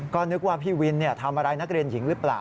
ก็นึกว่าพี่วินทำอะไรนักเรียนหญิงหรือเปล่า